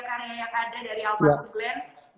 karya yang ada dari almarhum glenn